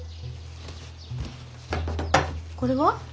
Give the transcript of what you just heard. これは？